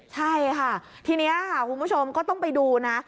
ใช่ค่ะทีนี้ค่ะคุณผู้ชมก็ต้องไปดูนะ